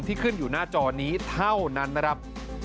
ขึ้นอยู่หน้าจอนี้เท่านั้นนะครับ